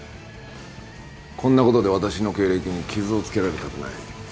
こんなことで私の経歴に傷を付けられたくない。